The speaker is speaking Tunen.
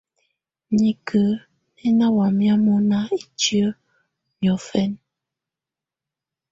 Nikǝ̀ nɛ̀ ná wamɛ̀á mɔ̀na itiǝ́ niɔ̀fɛ̀na.